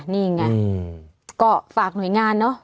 นี่ไงก็ฝากหน่วยงานเนอะ